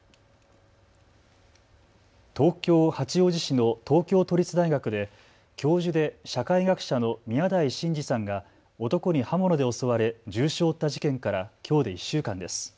東京八王子市の東京都立大学で教授で社会学者の宮台真司さんが男に刃物で襲われ重傷を負った事件からきょうで１週間です。